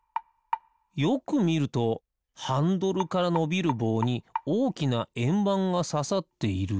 よくみるとハンドルからのびるぼうにおおきなえんばんがささっている。